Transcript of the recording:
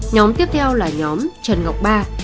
nhóm tiếp theo là nhóm trần ngọc ba